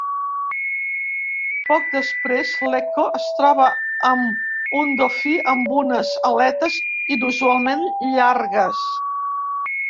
Poc després l'Ecco es troba amb un dofí amb unes aletes inusualment llargues.